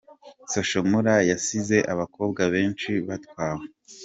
Social Mula yasize abakobwa benshi batwawe….